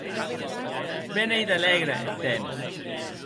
Be n’ei d’alègre eth temps!